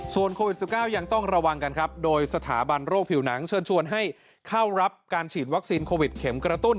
ส่วนโควิด๑๙ยังต้องระวังกันครับโดยสถาบันโรคผิวหนังเชิญชวนให้เข้ารับการฉีดวัคซีนโควิดเข็มกระตุ้น